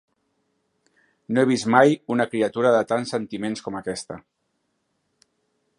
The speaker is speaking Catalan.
No he vist mai una criatura de tants sentiments com aquesta